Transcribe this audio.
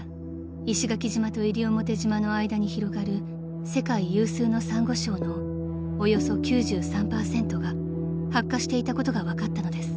［石垣島と西表島の間に広がる世界有数のサンゴ礁のおよそ９３％が白化していたことが分かったのです］